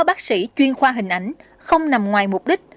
bác sĩ chuyên khoa hình ảnh không nằm ngoài mục đích